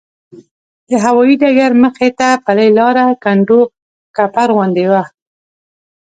د هوایي ډګر مخې ته پلې لاره کنډوکپر غوندې وه.